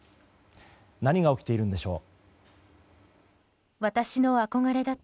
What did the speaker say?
何が起きているのでしょう。